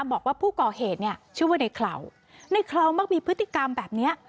บอกว่าผู้ก่อเหตุเนี่ยชื่อว่าในเคราวในเคราวมักมีพฤติกรรมแบบเนี้ย